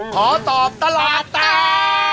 ขอตอบตลาดตา